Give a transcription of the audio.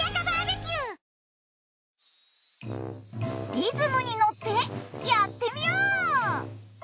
リズムにのってやってみよう！